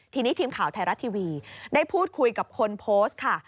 ทีนี้ทีมข่าวไทยรัฐทีวีได้พูดคุยกับคนโพสต์ค่ะ